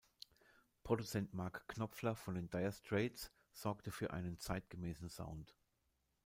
Produzent Mark Knopfler von den Dire Straits sorgte für einen zeitgemäßen Sound.